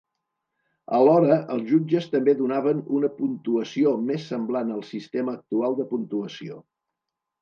Alhora els jutges també donaven una puntuació més semblant al sistema actual de puntuació.